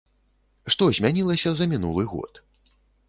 Што змянілася за мінулы год?